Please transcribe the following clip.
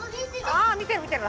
あみてるみてる！